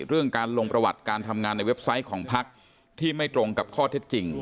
เรื่องการลงประวัติการทำงานในเว็บไซต์ของพักที่ไม่ตรงกับข้อเท็จจริง